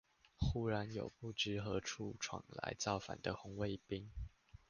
忽然有不知何處闖來造反的紅衛兵